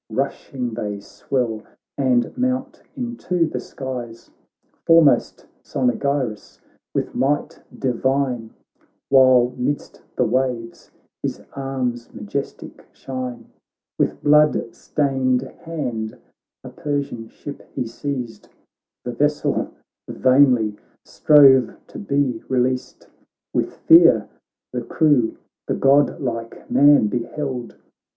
Rushing they swell, and mount into the skies. 28 THE BATTLE OF MARATHON Foremost Cynaegirus, with might di vine, While midst the waves his arms majestic shine ; With blood stained hand a Persian ship he seized, The vessel vainly strove to be re leased ; With fear thfe crew the godlike man be held.